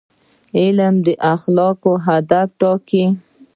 علم د اخلاقو هدف ټاکي.